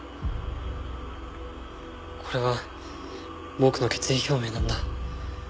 これは僕の決意表明なんだ。